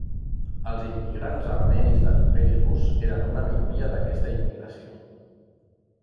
Els immigrants armenis de l'Imperi Rus eren una minoria d'aquesta immigració.